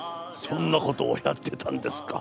そんなことをやってたんですか？